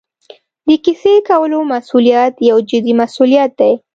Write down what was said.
د کیسې کولو مسوولیت یو جدي مسوولیت دی.